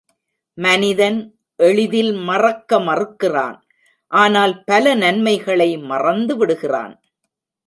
மனிதன் எளிதில் மறக்க மறுக்கிறான், ஆனால் பல நன்மைகளை மறந்து விடுகிறான்.